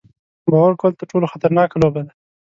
باور کول تر ټولو خطرناکه لوبه ده.